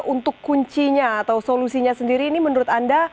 untuk kuncinya atau solusinya sendiri ini menurut anda